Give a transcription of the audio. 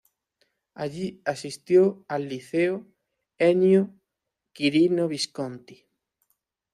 Allí asistió al Liceo "Ennio Quirino Visconti".